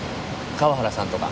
河原さんとか。